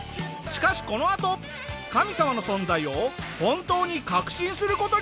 しかしこのあと神様の存在を本当に確信する事になるんだ！